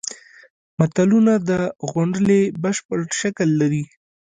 متلونه د غونډلې بشپړ شکل لري